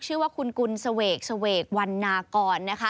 ชื่อว่าคุณกุลเสวกเสวกวันนากรนะคะ